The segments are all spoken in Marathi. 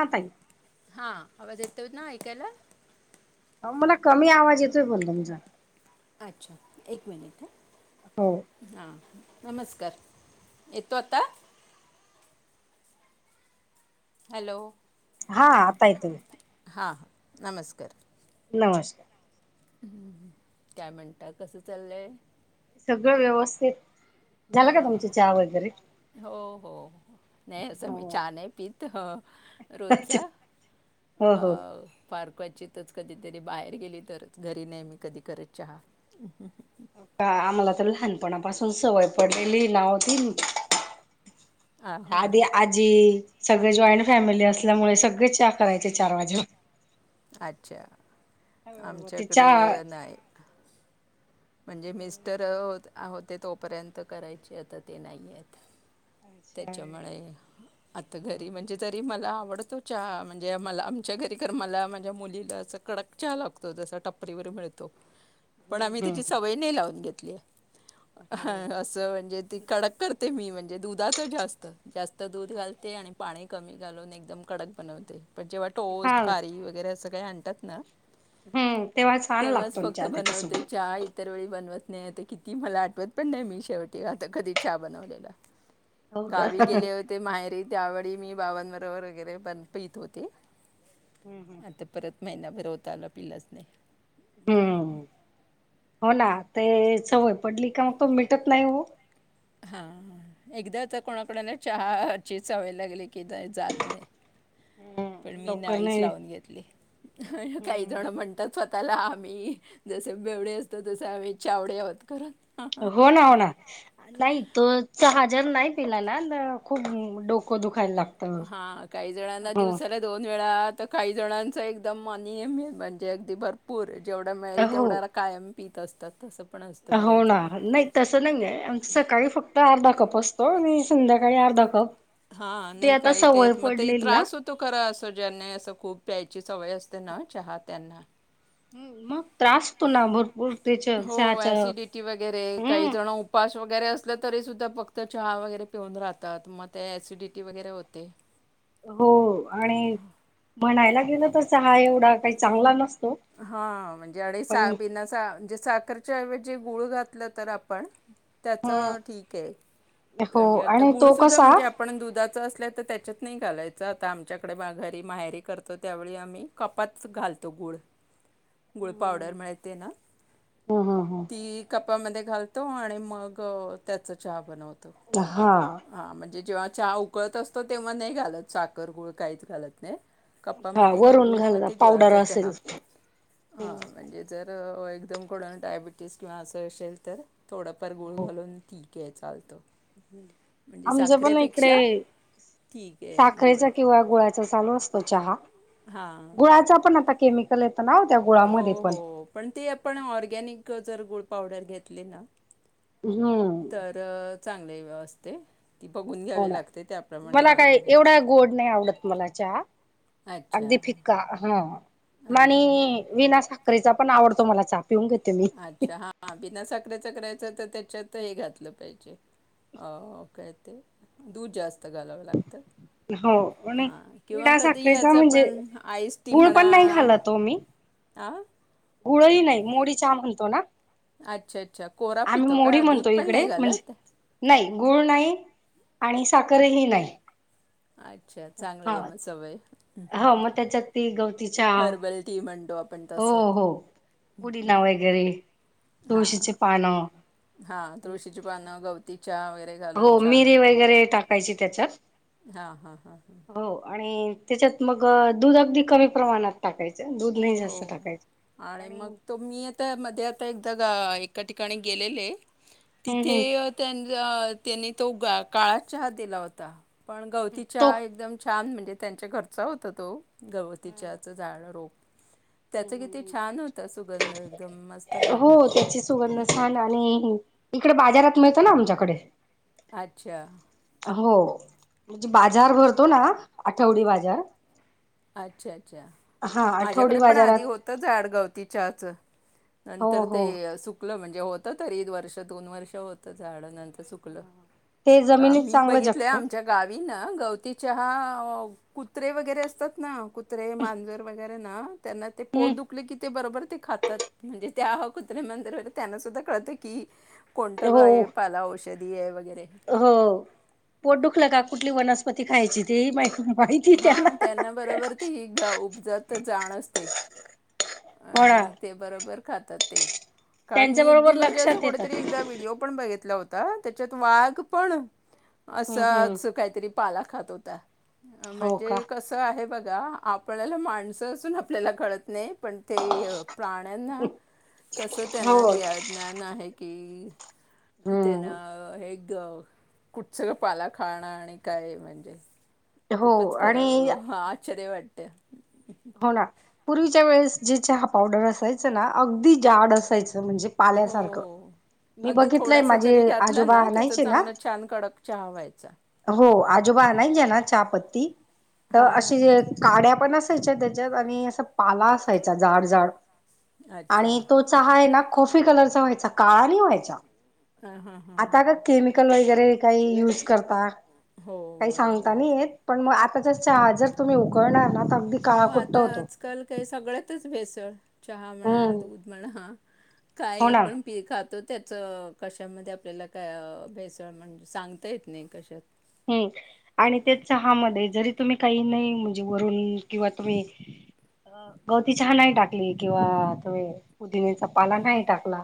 हां ताई हा आवाज येतोय ना ऐकायला. अ मला कमी आवाज येतोय पणं तुमचा. अच्छा एक मिनिट ह. हो. हां नमस्कार येतो आता हॅलो. हां आता येतोय. हां नमस्कार. नमश काय म्हणता कसं चाललंय? सगळं व्यवस्थित झालं का तुमच चहा वगैरे हो हो नाही असं हो मी चाहा नाही पीत ह अच्छा रोजचा? हो अ हो फार क्वचीतच कधीतरी बाहेर गेली तरच, घरी नाही मी कधी करत चहा. का आम्हाला त लहानपणापासून सवय पडलेलीय ना ओ ती. हां हां आधी हां आजी सगळे जॉईंट फॅमिली असल्यामुळे सगळे चा करायचे चार वाजेला. आच्छा हो ते आमच्याकडे चहा अ नाय. म्हणजे मिस्टर अ होते आ होते तोपर्यंत करायचे आता ते नाहीयेत. अच्छा त्याच्यामुळे आता हम्म घरी म्हणजे तरी मला आवडतो चहा म्ह जे मला आमच्या घरी खर मला माझ्या मुलीला असं कडक चहा लागतो जसां टपरीवर मिळतो. [inaudible] पण आम्ही हम्म त्याची सवय नाही लावून घेतलीय ह हो असं म्हणजे ती कडक करते मी म्हणजे दुधाचा जास्त जास्त दूध घालते आणि पाणी कमी घालून न एकदम कडक बनवते प जेव्हा हा टोस्ट खारी वगैरे असं काही आणतात ना हम्म तेव्हा छान तेव्हाच लागतो फक्त चहा बनवते त्याच्यासोबत चाहा इ इतर वेळी बनवत नाही आता किती मला आठवत पण नाही मी शेवटी आता कधी चहा बनवलेला. हो का गावी गेले हम्म होते माहेरी त्यावेळी मी बावांबरोबर वगैरे बन पीत होते ते. हम्म हम्मी. परत महिन्याभर होत आला पिलास नाहीं. हम्म हो ना ते सवय पडली का मग तो मिटत नाही हो. हा एकदा तर कोणाकडन चहा ची सवय लागल की जात नाहीं. पण हम्म मी लवकर नाहीच नाही लावून घेतली काही जण हम्म म्हण त स्वतःला आम्ही जसे बेवडे असतो तसे आम्ही चावडे आहोत खरं. हो ना हो ना नाही तो चहा जर नाही पिला ना खूप म डोकं क दुखायला लागतं हां काही जणांना हम्म. दिवसाला दोन वेळा त काही जणांच एकदम मनि म्हणजे म अगदी भर पूर जेवढा मिळेल हो तेवढ्या कायम पीत असतात तसं. पण असतं हो बऱ्याच ना जण नाही तसं नाहीये सकाळी फक्त अर्धा कप असं तो नी संध्याकाळी अर्धा कप, ती आता सवय पडलेली ना तू करा असं ज्यांना असं खूप प्यायची सवय असते ना चहा त्यांना. हम्म मगं. हो ॲसिडिटी वगैरे काही हम्म जण उप पाश वगैरे असलं तरीसुद्धा फक्त चहा वगैरे पिऊन राहतात मग ते ॲसिडिटी वगैरे होते. हो आणि म्हणायला गेलं तसं हा एवढा काही चांगला नस हा म्हणजे आडि सा बीना स चा म्हणजे साखरच्या एवजी गुळ घातलं तर आपण? त्याच ह ठीकय हो का जे आता आणि तो गुळसुद्धा कसा म्हणजे आप पण दुधाचं असल्या तर त्याच्यात नाही घालायचं आता आमच्याकडे मा घरी माहेरी करतो त्यावेळी आम्ही. कपात घालतो गुड. गुळ पावडर ह माहिती ना ह ह कपामध्ये घालतो आणि मग त्याचं चहा बनवतो. हा. हा म्हणजे जेव्हा चहा उकळत असतो तेव्हा नाही घालत साखर गुळ काहीच घालत नाही. हा कापामध्ये वरून घालून मग घालला ते पावडर गुळाचा असेल चहा हा म्हणजे जर एकदम कुणाला डायबिटीस किंवा अस असेल तर, थोडंफार गुळ घालून तठीक आहे चालत. आमच पण इकडे, ठीक आहे गुळ साखरेचा किंवा गुळाचा चालू असतो चहा. हां गुळाचा पण आता केमिक [unintelligible] हो हो पण ते आपण ऑर्गॅनिक जर गुळ पावडर घेतली ना, हम्म. तर चांगले व्य असते. ती बघून घ्यावी लागते होणार त्याप्रमाणे मला काय ऑर्गॅनिक एवढा गोड नाही आवडत मला चहा. अच्छा अगदी फिका. हा,, मा हां हां आणि विना साखरेचा पण आवडतो मला चा पिऊन घेते मी. अच्छा हा बिना साखरेचा तर त्याच्यात हे घातल पाहिजे. अ काय ते दूध जास्त घालावं लागत. हो आणि हा किंवा विना कधी साखरेचा याचा म्हणजे पण आईस टी गुळ पण म्हणा. नाही आ.. गुडही नाही मोडी चा म्हणतो ना, अच्छा अच्छा कोरा आम्ही पितो मोडी का दूध म्हणतो पण इकडे नाही म्हणजे घालत. नाही गुळ नाही आणि साखरही नाही. अच्छा चांगलं हा आहे मग सवय. ते गवतीच्या हर्बल टी म्हणतो आपण हो तसं हो उडीिना वगैरे, पाना हा तुळशीची पानं गवती चहा वैगैरे, हो मिरी वगैरे टाकायची त्याच्यात हां हां हां हां हो आणि त्याच्यात मग दूध अगदी कमी प्रमाणात टाकायचं दूध नाही जास्त टाकायच आणि तर मी आता मध्ये आता एकदा गा एका ठिकाणी गेलेले आहे हम्म हम्म तिथे त्यां त्यांनी तो काळा चहा दिला होता पण गवती तो चहा एकदम छान म्हणजे त्यांच्या घरचा होतां तो गवतीच्याच झाड रोप हम् त्याचं हम् किती ह् छान होता सुगंध एकदम मस्त हो लागला तो त्याची सुगंध छान आणि इकडे बाजारात मिळतं ना आमच्याकडे अच्छा हो म्हणजे बाजार भरतो ना आठवडी बाजार अच्छा अच्छा हा आठवडी माझ्याकडे पण आधी बाजारात होत. झाडगावतीच्याच हो नंतर हो ते सु कलं म्हणजे होत तरई वर्ष दोन वर्ष होतं झाड नंतर, सुकल. ते का जमिनीत मी चांगलं बघितलंय जगतं. आमच्या गावी ना गवती चहा कुत्रे वगैरे असतात ना कुत्रे मांजर वगैर त्याला ते पोट हम्म दुखत कि ते बरोबर ते खातात म्हणजे ते कुत्रे मंदिर वैरे त्यांना सुद्धा कळत की, कोणतं ग हो आहे पाला औषधी आहे वगैरे हो पोट दुखलं का कुठली वनस्पती खायची तेही माहिती हा त्यांना बरोबर ते ही गा उपजात जाण असते. हो ना आणि ते बरोबर खातात ते, कारण त्यांच्या मी अगदी बरोबर म्हणजे असं लक्षात येतं. कुठेतरी एकदा व्हिडिओ पण बघितला होता, त्याच्यात वाघ पण हम्म हम्म असाच काहीतरी पाला खात होता हो का म्हणजे कसं अस आहे बघा आपल्याला माणसं असून आपल्याला कळत नाही पण ते प्राण्यांना कस हो त्यांना द ज्ञान आहे की त्यांना हम्म हे कुठच पाला खाणं आणि काय म्हणजे हो खूपच खर आणि आश्चर्य वाटते हो ना पूर्वीच्या वेळेस जे चहा पावडर असायच ना, अगदी जाड असायचं म्हणजे पाल्यासारखं. हो. मी अगदी बघितलंय थोडस माझे तरी घातलं आजोबा ना त्याच आणायचे ना चांगलं छान कडक चहा व्हायचा हो आजोबा नाही आणत चहा पत्ती तर हां. अशी काड्या पण असायच्या त्याच्यात आणि असा पाला असायचा जाड जाड अच्छा. आणि तो चहा आहे ना कॉफी कलरचा व्हायचा, काळा नाई व्हायचा ह हा हा हां. आता का केमिकल वगैरे काही युज करता हो काही बरोबर. सांगता नाही येत. पण मग आता जर चहा जर तुम्ही उकळाला ना तर अगदी हो काळाकुट्ट आता होतो आजकाल काही सगळ्यातच भेसळ चहा म्हणा हम्म दूध म्हणा काय हो ना आपण पी खातो त्याचं कशामध्ये आपल्याला काय भेसळ म्हणजे सांगता येत नाही कशात हम्म. आणि ते चहा मधे जरी तुम्ही काही नाही म्हणजे वरून किंवा तुम्ही गवती चहा नाही टाकली किंवा पुदिन्याचा पाला नाही टाकला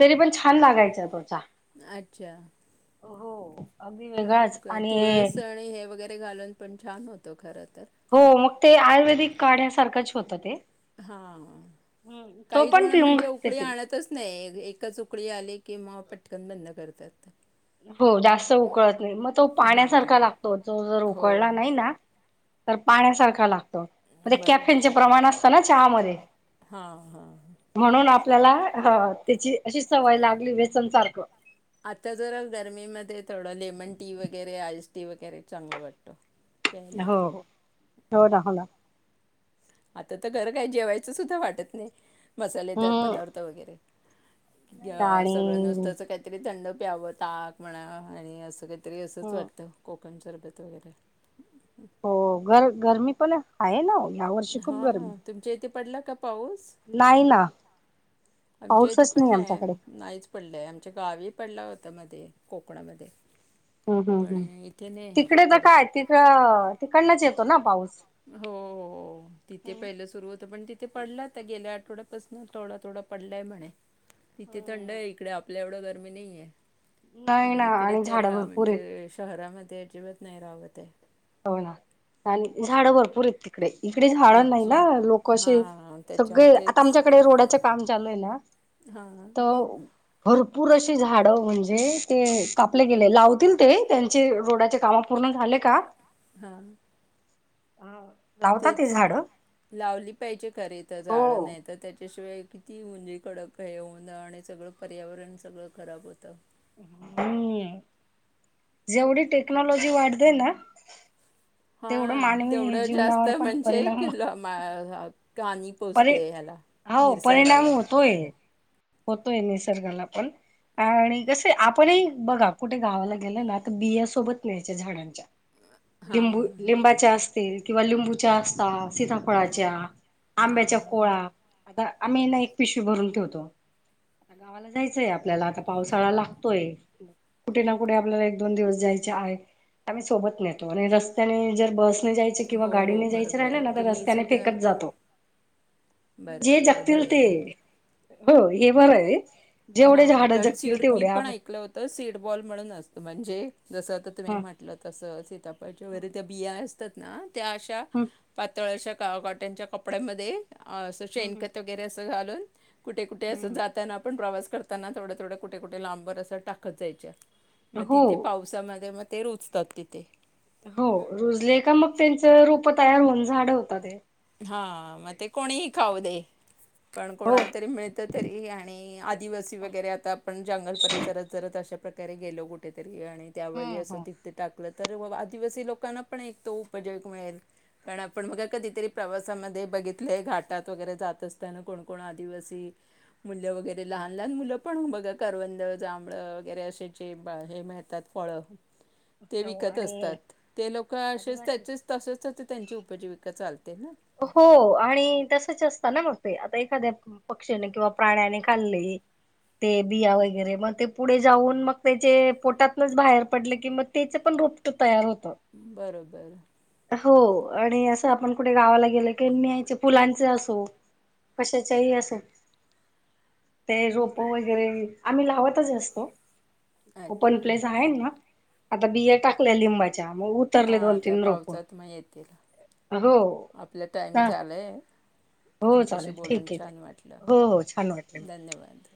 तरी पण छान लागायचा ततो चहा अच्छा. हो अगदी वेगळाच आणि तुळस आणि हे वगैरे घालून पण छान होतो खर तर हो मग ते आयुर्वेदिक काढ्या सारखंच होतं ते हा हम्म तो काही पण जण पिऊन म्हणजे घेते उकळी ती आणतच नाही एकच उकळी आले कि मग पटकन बंद करतात. हो जास्त उकळत नाही मग तो पाण्यासारखा हां. लागतो तो जर हो, उकळला हो. नाही ना तर पाण्यासारखा लाग मग ते बरोबर कॅफेनचे आहे. प्रमाण असतं ना चहा मधे हां, हां. म्हणून आपल्याला त्याची अशी सवय लागली व्यसन सारखं आता जरा गरमीमध्ये थोडं लेमन टी वगैरे, आईस टी वगैरे चांगलं वाटतो. हो हो दाखवला. आता तर खरं काय जेवायचं सुद्धा वाटत नाही मसालेदार हम्म पदार्थ वगैरे सगळं आणि नुसतंच काहीतरी थंड प्यावं ताक म्हणा आणि असं काहीतरी असंच हम्म वाटतं कोकम सरबत वगैरे हो गर गरमी पण आहे ना या वर्षी खूप गरमी हां, तुमच्या इथे पडला का पाऊस? नाही ना आमच्या इथे पाऊसच पण आमच्याकडे नाही नाहीच पडलय, आमच्या गावी पडला होता मध्ये कोकणामध्ये हम् हम् पण हम् इथे नाही तिकडे तर पडत. काय तिक तिकडनच येतो ना पाऊस? हो हो हो. तिथे हम्म पहिलं सुरु होतं पण तिथे पडला आता गेल्या आठवड्यापासून थोडा थोडा पडलाय म्हणे. तिथे थंड हम्म आहे इकडे आपल्या एवढं गरमी नाहीये. नाही ना आणि इकडे तर झाडं भरपूर आहेत म्हणजे शहरामध्ये अजिबात नाही राहवत आहे. हो ना आणि झाडं भरपूर येत इकडे इकडे झाड नाही अच्छा. ना लोक असे हां, त्याच्यामुळे सगळे आता तेच. आमच्याकडे रोडाच्या काम चालू आहे ना हां हां तंवं भरंपूर अशी झाडं म्हणजे ते कापले गेले लावतील ते त्यांचे रोडाच्या कामं पूर्ण झाले कां? हां हुं [unintelligible] तेचं लावली पाहिजे खरे तरं झाडं हो नाहीं तरं त्यांच्याशिवाय किती म्हंजे कडक हे ऊंन आणि सगळं पर्यावरणं सगळं खरांब होतं. [unintelligible] [unintelligible] जेवढी टेक्नॉलॉजी वाढंते नां हां तेवढं जीवनावर जास्तं पण म्हणजे परिणाम हांनी [unintelligible] पोचते ह्यांला निसर्गालां होयं होतोय निसर्गाला पणं आणि कसंय आपणंही बघां कुठे गावांला गेलो नां की आतां बियासोबंत न्यायच्यां झाडांच्या हां लिंबू हां लिंबाच्या असतीलं किंवा लिंबूच्यां असतांत सीतांफळाच्यां आंब्यांच्या हां कोळां आम्हीं नां एक पिशवी भरूंन ठेवतो. जायचंय आपल्यांला आतां पावसाळां लागतोय. कुठे नां कुठे आपल्यांला एक दोन दिवस जांयचे आहे, आम्हीं सोबतं नेतो आणि रस्त्यांचे जरं बसं ने जायचं किंवा हो हो गाडीने जायचं बरोबर राहिलं नां की तरं मी रस्त्यांने सुद्धा फेकतं जांतो. बरं आहे जे बरोबर जगंतील आहे ते हँ हे बरं आहे. जेवढे हां झाड कारणं जगतील सीड मी तेवढे पणं आप ऐकलं होतं सीडबॉल म्हणूंन असतं म्हणजे जसं आतां तुम्हीं ह म्हटलं तसं सीतांफळाच्यां वगैरे त्यां बिया असं तांत नां त्यां अशा पातंळ कॉटनच्यां कपड्यांमंध्ये असं ह शेणखंत वगैरे असं घालूंन कुठे कुठे असं जातं निघतांना आपणं प्रवास करतांना थोड्यां थोड्यां कुठे कुठे लांबर असं टाकतं जायच्यां मंग हो तिथे पाऊस त्या दिवसांमध्ये मंग त्यां रुपतांत तिथे हो रुजले कां मंग त्यांच रोपं तयांर होऊन झाडं तयांर होतांत ते हां मंग ते कोणीही खाऊं दे पणं हो कोणांला तरी मिळतं आ तरं तरी आणि आदिवांसी वगैरे आतां आपणं जंगल परिसरांत जरं अशा प्रकारे गेलो कुठेतरी आणि त्यावेळी जे असं हो तीते टाकलं तरं आदिवांसी लोकांनां पणं एक तो उपजोग मिळेलं कारणं आपणं बघं कधीतरी प्रवासांमंध्ये बघितलंय घाटांत वगैरे जातं असतांना कोणकोण आदिवांसी मुलं वगैरे लहान लहान मुलं पणं बघा करवंद जांभळ वगैरे असशेचे बा हे माह विकतांत फळं ते विकतं आणि असतांत ते लोकं असेचं आदिवासी त्यांचेच तसेचं त्यांची उपजीविका चालतें नां हो आणि तसंच असतं नां मंग ते आतां एखाद्यां पक्षीने किंवा प्राण्यांने खांल्ले ते बिया वगैरे मंग ते पुढे जाऊंन मंग त्यांचे पोटांतनच बाहेर पडले कि मंग त्याचं पणं रोपं रोपंट तयांर होतों बरोबर हो आणि असं आपणं कुठे गावांला गेल की न्यायचे फुलांचे असो कशाच्यांही असो ते रोपं वगैरे आम्हीं लावतंच असतों पणं अच्छा तसं आहे म्हंनां आतां बिया टांकल्यां लिंबाच्यां मंग उतरले दोन तीनं रोपं मंग येतीलं आपलां टांईम हा, झालायं हो तुमच्यांशी चालेल बोलूंन ठीक आहे छांन वाटलं हो हो छान वाटले धन्यंवाद